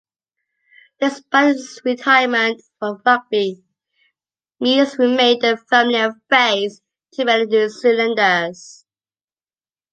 Despite his retirement from rugby, Meads remained a familiar face to many New Zealanders.